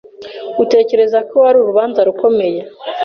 Utekereza ko ari urubanza rukomeye?